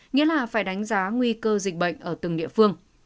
nghĩa là phải đánh giá nguy cơ dịch bệnh ở từng địa phương